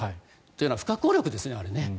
というのは不可抗力ですねあれは。